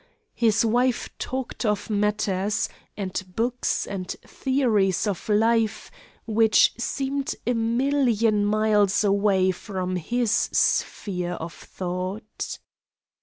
His wife talked of matters, and books, and theories of life which seemed a million miles away from his sphere of thought.